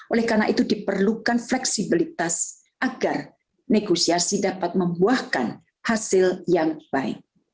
oleh karena itu diperlukan fleksibilitas agar negosiasi dapat membuahkan hasil yang baik